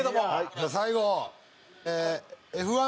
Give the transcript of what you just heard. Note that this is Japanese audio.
じゃあ最後Ｆ１